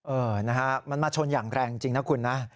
เออนะฮะมันมาชนอย่างแรงจริงนะคุณนะ